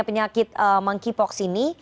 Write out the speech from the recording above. penyakit monkeypox ini